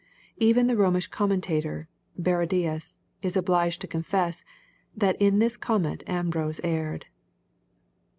Even the Romish commentator Barradius is obliged to confess^ tl^at in this comment Ambrose erred.